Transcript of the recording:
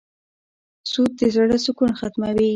سود د زړه سکون ختموي.